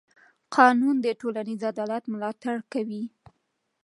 قانون د ټولنیز عدالت ملاتړ کوي.